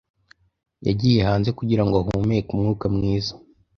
Yagiye hanze kugirango ahumeke umwuka mwiza.